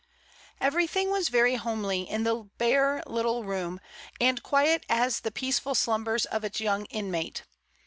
Everything was very homely in the bare little room, and quiet as the peaceful slumbers of its young inmate.